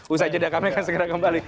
usai jeda kami akan segera kembali